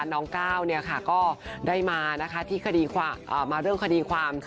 น้องก้าวเนี่ยค่ะก็ได้มานะคะที่มาเรื่องคดีความ